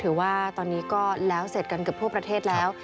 ถือว่าตอนนี้ก็แล้วเสร็จกันเกือบทั่วประเทศแล้ว